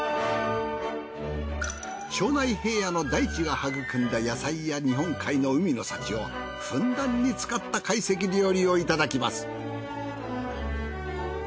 庄内平野の大地が育んだ野菜や日本海の海の幸をふんだんに使った懐石料理をいただきます。